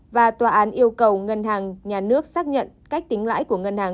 và tòa án yêu cầu ngân hàng nhà nước xác nhận cách tính lãi của ngân hàng